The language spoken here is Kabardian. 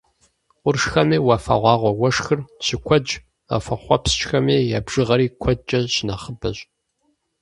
Къуршхэми уафэгъуагъуэ уэшхыр щыкуэдщ, уафэхъуэпскӏхэм я бжыгъэри куэдкӏэ щынэхъыбэщ.